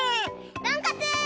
とんかつ！